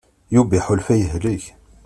Yuba iḥulfa yehlek.